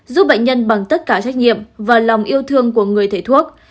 giúp bệnh nhân bằng tất cả trách nhiệm và lòng yêu thương của người thầy thuốc